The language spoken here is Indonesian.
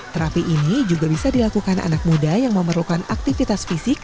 terapi ini juga bisa dilakukan anak muda yang memerlukan aktivitas fisik